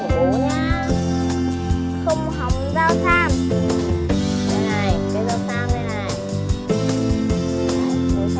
đây này cái dao xam này này